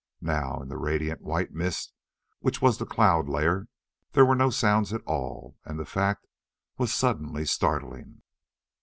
Now, in the radiant white mist which was the cloud layer, there were no sounds at all, and the fact was suddenly startling.